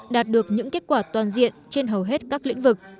đạt được những kết quả toàn diện trên hầu hết các lĩnh vực